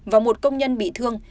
và một công nhân bị thương